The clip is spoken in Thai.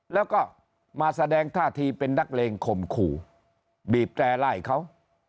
แล้วก็มาแสดงท่าทีเป็นนักเลงข่มขู่บีบแตร่ไล่เขา